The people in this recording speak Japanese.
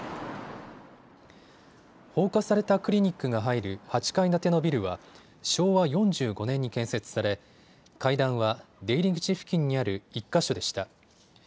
放火されたクリニックが入る８階建てのビルは昭和４５年に建設され階段は出入り口付近にある１か所でした。